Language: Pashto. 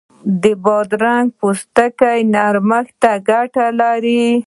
بادرنګ د پوستکي نرمښت ته ګټه لري.